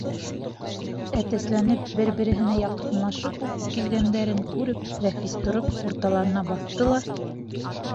Әтәсләнеп бер-береһенә яҡынлашып уҡ килгәндәрен күреп, Рәфис тороп урталарына баҫты ла: